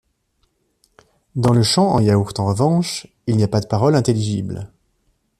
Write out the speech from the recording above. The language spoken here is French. Dans le chant en yaourt en revanche, il n'y a pas de paroles intelligibles.